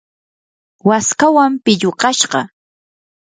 waskawan pillukashqa.